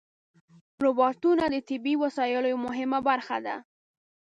روبوټونه د طبي وسایلو یوه مهمه برخه ده.